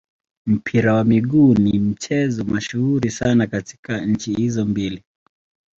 Mpira wa miguu ni mchezo mashuhuri sana katika nchi hizo mbili.